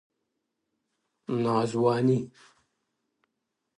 ناځواني ـ